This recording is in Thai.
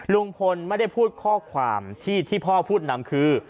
ลุงพลไม่ได้พูดข้อความที่พ่อพูดนำคือ